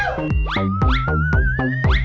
สูงใช่มั้ยเนี่ย